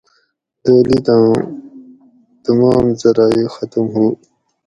دولتاں تمام زرائع ختم ہو